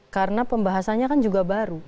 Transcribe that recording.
karena pembahasannya kan juga baru